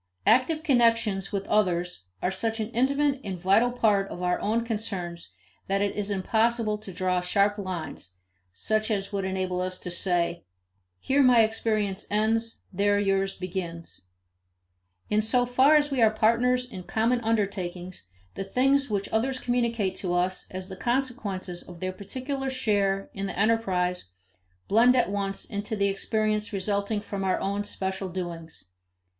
Active connections with others are such an intimate and vital part of our own concerns that it is impossible to draw sharp lines, such as would enable us to say, "Here my experience ends; there yours begins." In so far as we are partners in common undertakings, the things which others communicate to us as the consequences of their particular share in the enterprise blend at once into the experience resulting from our own special doings.